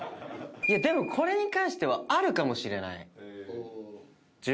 でもこれに関してはあるかもしれない。